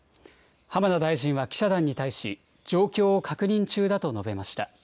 浜田大臣は記者団に対し、状況を確認中だと述べました。